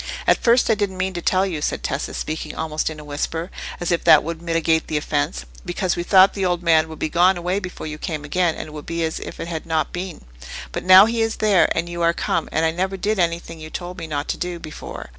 "At first I didn't mean to tell you," said Tessa, speaking almost in a whisper, as if that would mitigate the offence; "because we thought the old man would be gone away before you came again, and it would be as if it had not been. But now he is there, and you are come, and I never did anything you told me not to do before.